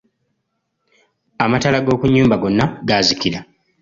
Amataala g'okunnyumba gonna gaazikila.